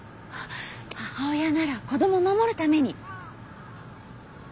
母親なら子供守るために。